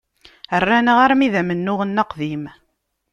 Rran-aɣ armi d amennuɣ-nni aqdim.